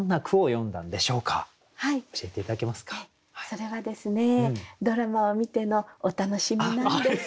それはですねドラマを見てのお楽しみなんです。